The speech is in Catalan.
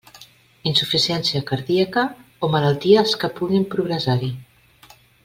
Insuficiència cardíaca o malalties que puguin progressar-hi.